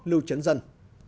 lưu trấn dân